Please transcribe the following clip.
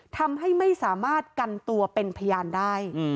ทำให้ไม่สามารถกันตัวเป็นพยานได้